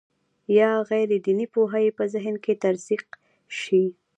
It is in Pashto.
یا غیر دیني پوهه یې په ذهن کې تزریق شي.